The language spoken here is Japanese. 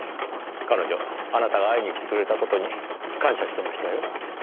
彼女あなたが会いにきてくれた事に感謝してましたよ。